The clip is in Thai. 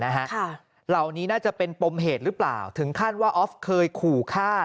เหล่านี้น่าจะเป็นปมเหตุหรือเปล่าถึงขั้นว่าออฟเคยขู่ฆ่า